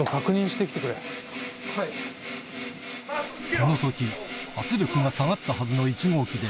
この時圧力が下がったはずの１号機で